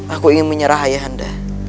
aku ingin menyerah ayahanda